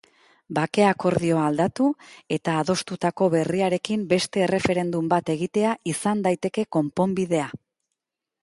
Bake-akordioa aldatu eta adostutako berriarekin beste erreferendum bat egitea izan daiteke konponbidea.